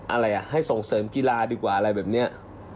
อะไรอ่ะให้ส่งเสริมกีฬาดีกว่าอะไรแบบนี้